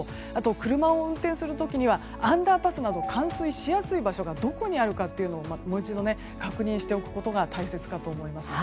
車を運転する時にはアンダーパスなど冠水しやすい場所がどこにあるのかをもう一度確認しておくことが大切かと思います。